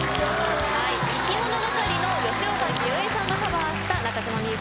いきものがかりの吉岡聖恵さんがカバーした中島みゆきさんの『糸』です。